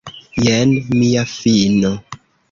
Jen mia fino!